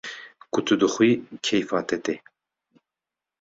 Ku tu dixwî keyfa te tê